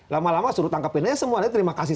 lama lama suruh tangkapin ya semua terima kasih